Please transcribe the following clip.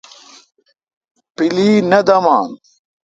پیلی نہ دمان۔